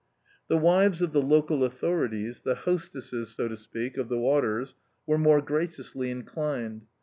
The wives of the local authorities the hostesses, so to speak, of the waters were more graciously inclined.